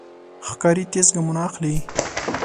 ښکاري تېز ګامونه اخلي.